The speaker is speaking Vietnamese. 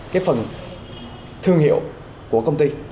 cái phần thương hiệu của công ty